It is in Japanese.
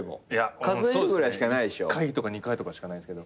１回とか２回とかしかないんすけど。